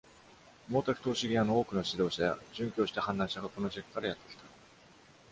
毛沢東主義派の多くの指導者や、殉教した反乱者がこの地区からやってきた。